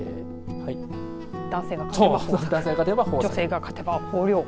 男性が勝てば豊作女性が勝てば豊漁。